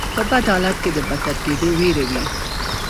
په بد حالت کې د بدتر کیدو ویره وي.